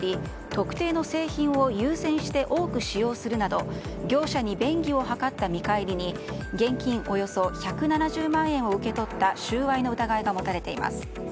特定の製品を優先して多く使用するなど業者に便宜を図った見返りに現金およそ１７０万円を受け取った収賄の疑いが持たれています。